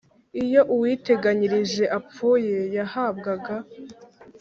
Iyo uwiteganyirije apfuye yahabwaga